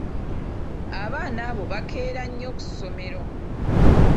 Abaana abo bakeera nnyo ku ssomero.